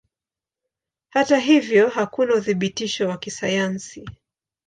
Hata hivyo hakuna uthibitisho wa kisayansi.